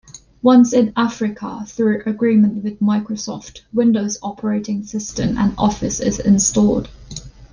Once in Africa, through agreement with Microsoft, Windows operating system and Office is installed.